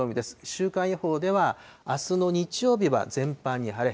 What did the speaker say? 週間予報では、あすの日曜日は全般に晴れ。